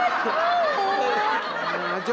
aduh jangan ngajur